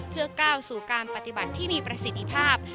เพื่อก้าวสู่การปฏิบัติที่มีประสิทธิภาพ